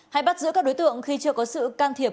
hay bắt giữ các đối tượng khi chưa có sự can thiệp